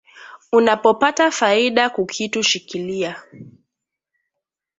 Unapo pata faida kukitu shikiliya